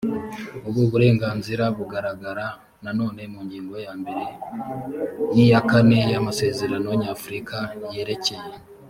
ubu burenganzira bugaragara nanone mu ngingo ya mbere n iya kane y amasezerano nyafurika yerekeye